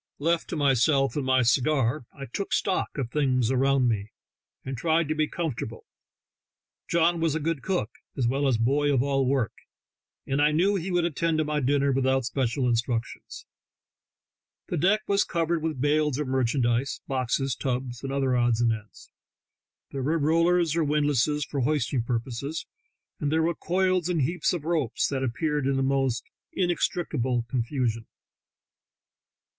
Left to myself and my cigar, I "took stock" of things around me, and tried to be comfortable. John was a good cook, as well as boy of all work, and I knew he would attend to my dinner with out special instructions. The deck was covered with bales of merchandise, boxes, tubs, and other odds and ends; there were rollers or windlasses for hoisting purposes; and there were coils and heaps of ropes that appeared in the most inextri cable confusion.